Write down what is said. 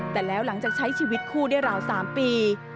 แต่แล้วหลังจากใช้ชีวิตคู่ได้ราว๓ปี